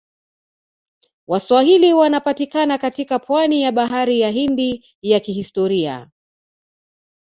Waswahili wanapatikana katika pwani ya bahari ya Hindi ya kihistoria